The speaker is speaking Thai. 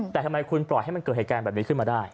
แต่ทำไมคุณปล่อยให้มันเกิดเหตุการณ์แบบนี้ขึ้นมาได้